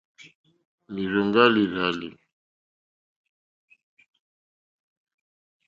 Lírzòŋɡá lìrzàlì.